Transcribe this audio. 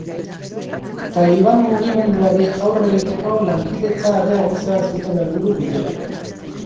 Taliban mugimenduari aurre egiteko lankidetza areagotzea zuten helburu bilerek.